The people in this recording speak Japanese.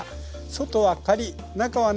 外はカリッ中はね